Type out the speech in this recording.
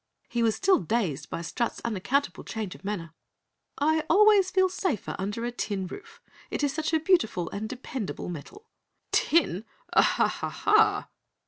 He was still dazed by Strut's unaccountable change of manner. "I always feel safer under a tin roof. It is such a beautiful and dependable metal." "Tin? Oh, Ha Ha HA!"